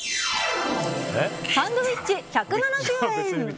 サンドウィッチ、１７０円。